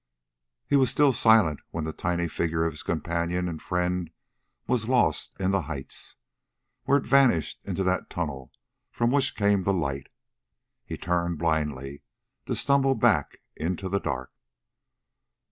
He was still silent when the tiny figure of his companion and friend was lost in the heights, where it vanished into that tunnel from which came the light. He turned blindly, to stumble back into the dark.